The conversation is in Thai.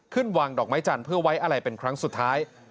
วางดอกไม้จันทร์เพื่อไว้อะไรเป็นครั้งสุดท้าย